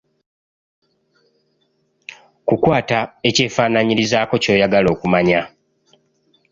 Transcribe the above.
Kukwata ekyefaanaanyirizaako ky'oyagala okumanya.